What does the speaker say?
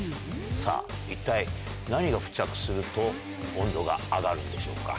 さあ、一体何が付着すると温度が上がるんでしょうか。